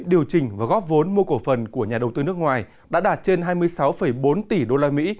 điều chỉnh và góp vốn mua cổ phần của nhà đầu tư nước ngoài đã đạt trên hai mươi sáu bốn tỷ usd